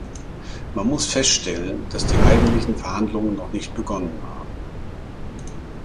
Man muss feststellen, dass die eigentlichen Verhandlungen noch nicht begonnen haben.